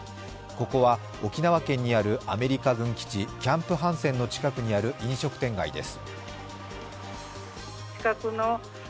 ここは沖縄県にあるアメリカ軍基地キャンプ・ハンセンの近くにある飲食店街です。